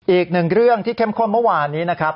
อีกหนึ่งเรื่องที่เข้มข้นเมื่อวานนี้นะครับ